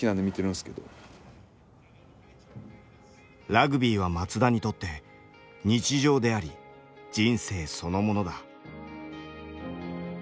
ラグビーは松田にとって日常であり人生そのものだ。